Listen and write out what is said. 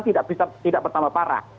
tidak bisa bertambah parah